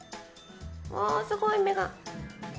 すごい、目が！